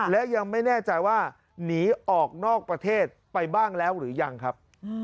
และยังไม่แน่ใจว่าหนีออกนอกประเทศไปบ้างแล้วหรือยังครับ